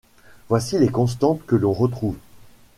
Voici les constantes que l'on retrouve.